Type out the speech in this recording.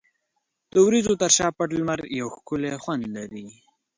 د وریځو تر شا پټ لمر یو ښکلی خوند لري.